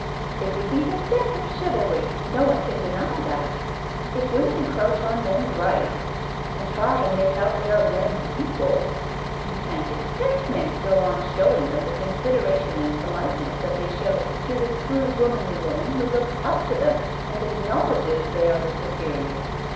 " It would be the death of chivalry, no one can deny that I If women encroach on men's rights and try and make out they are men's equals, you can't expect men to go on showing them the con sideration and politeness that they show to the true womanly woman who looks up to them and acknow ledges they are the superiors.